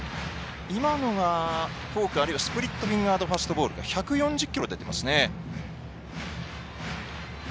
今のはフォークあるいはスプリットフィンガードファストボールか１４０キロ出ていますね。